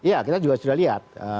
ya kita juga sudah lihat